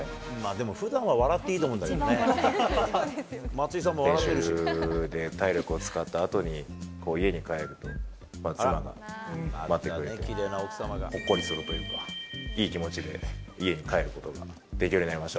でもふだんは笑っていいと思練習で体力を使ったあとに家に帰ると、妻が待っててくれて、ほっこりするというか、いい気持ちで家に帰ることができるようになりました。